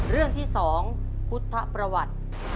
เรื่องที่๒พุทธประวัติ